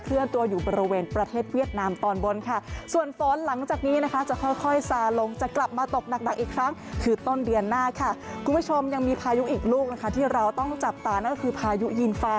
เคลื่อนตัวอยู่บริเวณประเทศเวียดนามตอนบนค่ะ